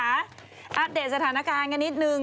อัปเดตสถานการณ์กันนิดนึง